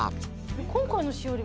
今回のしおり